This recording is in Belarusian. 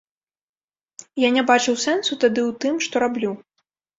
Я не бачыў сэнсу тады ў тым, што раблю.